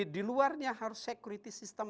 di luarnya harus security system